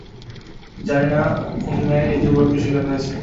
জানি না কোন মেয়ে এই দুর্ভাগ্যের শিকার হয়েছে!